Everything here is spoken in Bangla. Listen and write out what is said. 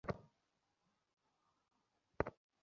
গতকাল সকাল সাড়ে নয়টার দিকে কুয়াশা কমে এলে ফেরি চলাচল শুরু হয়।